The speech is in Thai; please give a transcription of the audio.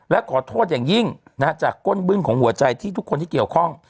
และขอโทษอย่างยิ่งจากก้นบึ้นของหัวใจที่ทุกคนที่เกี่ยวข้อง